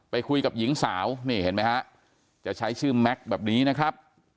ไปคุยกับหญิงสาวนี่เห็นไหมฮะจะใช้ชื่อแม็กซ์แบบนี้นะครับ